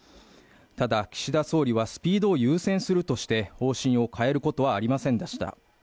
ただ、岸田総理はスピードを優先するとして方針を変えることはありませんでした。